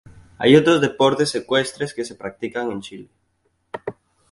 Hay otros deportes ecuestres que se practican en Chile.